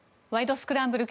スクランブル」